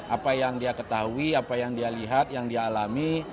apa yang dia ketahui apa yang dia lihat yang dia alami